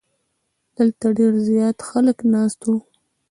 دلته ډیر زیات خلک ناست وو.